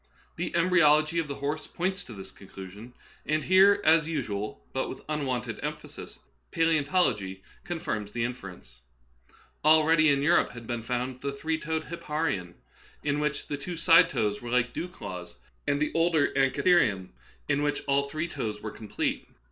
The embryology of the horse points to this conclusion, and here, as usual, but with unwonted emphasis, palseontology con firms the inference. Already in Europe had been found the three toed hipparion, in which the two side toes were like dew claws, and the older an chitherium, in which all three toes were complete.